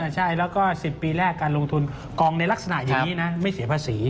ใช่แล้วก็๑๐ปีแรกการลงทุนกองในลักษณะอย่างนี้นะไม่เสียภาษี